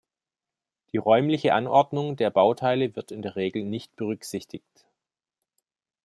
Die räumliche Anordnung der Bauteile wird in der Regel nicht berücksichtigt.